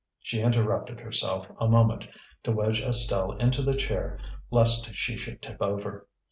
She interrupted herself a moment to wedge Estelle into the chair lest she should tip over.